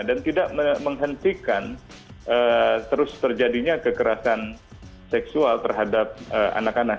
dan tidak menghentikan terus terjadinya kekerasan seksual terhadap anak anak